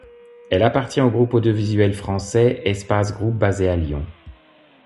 Elle appartient au groupe audiovisuel français Espace Group basé à Lyon.